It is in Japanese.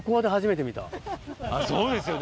そうですよね。